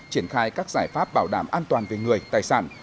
triển khai các giải pháp bảo đảm an toàn về người tài sản